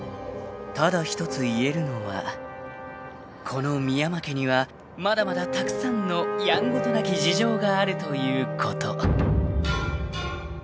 ［ただ一つ言えるのはこの深山家にはまだまだたくさんのやんごとなき事情があるということ］